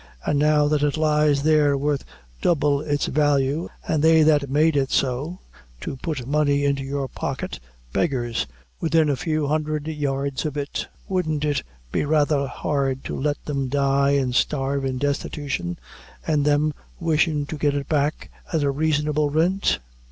An' now that it lies there worth double its value, an' they that made it so (to put money into your pocket) beggars within a few hundred yards of it wouldn't it be rather hard to let them die an' starve in destitution, an' them wishin' to get it back at a raisonable rint?"